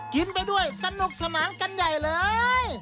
กินไปด้วยสนุกสนานกันใหญ่เลย